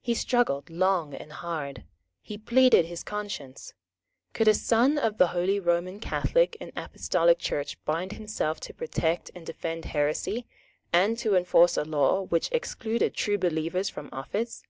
He struggled long and hard. He pleaded his conscience. Could a son of the Holy Roman Catholic and Apostolic Church bind himself to protect and defend heresy, and to enforce a law which excluded true believers from office?